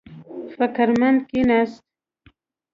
فکر مند کېناست.